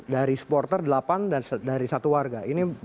dari supporter delapan dan dari satu warga